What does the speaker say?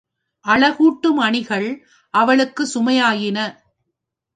அழகு ஊட்டும் அணிகள் அவளுக்குச் சுமையாயின.